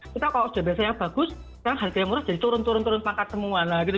kita kalau sudah biasa yang bagus kan harga yang murah jadi turun turun semangkat semua lah